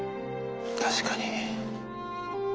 確かに。